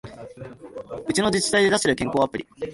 うちの自治体で出してる健康アプリ